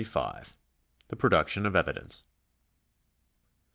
§ 175. The Production of Evidence.